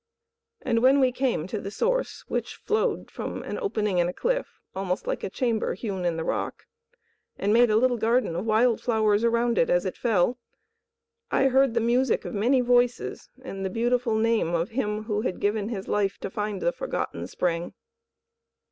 And when we came to the Source, which flowed from an opening in a cliff, almost like a chamber hewn in the rock, and made a little garden of wild flowers around it as it fell, I heard the music of many voices and the beautiful name of him who had given his life to find the forgotten spring.